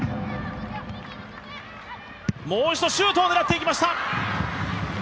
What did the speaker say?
もう一度、シュートを狙っていきました。